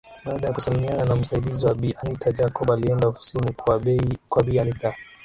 Baada ya kusalimiana na msaidizi wa Bi Anita Jacob alienda ofisini kwa bi anita